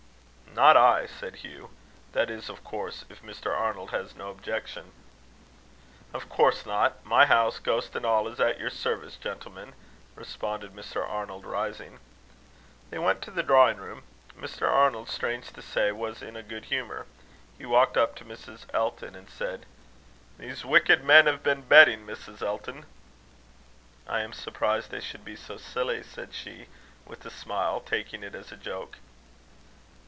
"Not I," said Hugh; "that is, of course, if Mr. Arnold has no objection." "Of course not. My house, ghost and all, is at your service, gentlemen," responded Mr. Arnold, rising. They went to the drawing room. Mr. Arnold, strange to say, was in a good humour. He walked up to Mrs. Elton, and said: "These wicked men have been betting, Mrs. Elton." "I am surprised they should be so silly," said she, with a smile, taking it as a joke.